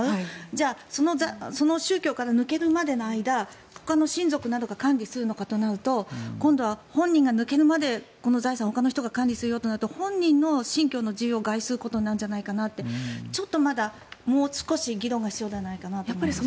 じゃあその宗教から抜けるまでの間ほかの親族などが管理するのかとなると今度は本人が抜けるまでこの財産をほかの人が管理するとなると本人の信教の自由を害することになるんじゃないかとちょっとまだもう少し議論が必要じゃないかなと思います。